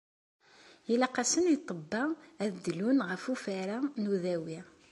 Ilaq-asen i ṭṭebba ad dlun ɣef ufara n udawi.